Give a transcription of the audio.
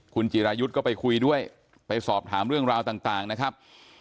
คุณจิรายุทธ์ก็ไปคุยด้วยไปสอบถามเรื่องราวต่างนะครับ